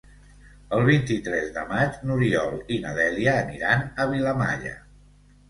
El vint-i-tres de maig n'Oriol i na Dèlia aniran a Vilamalla.